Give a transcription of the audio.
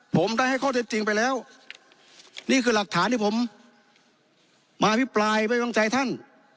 ผมได้ให้ข้อเท็จจริงไปแล้วนี่คือหลักฐานที่ผมมาอภิปรายไว้วางใจท่าน